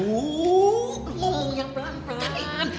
mau ngomongnya pelan pelan